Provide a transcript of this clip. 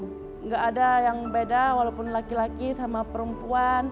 tidak ada yang beda walaupun laki laki sama perempuan